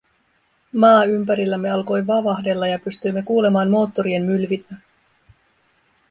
Maa ympärillämme alkoi vavahdella ja pystyimme kuulemaan moottorien mylvinnän.